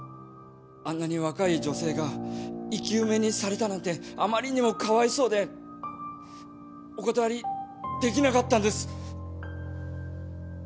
あんなに若い女性が生き埋めにされたなんてあまりにもかわいそうでお断りできなかったんです。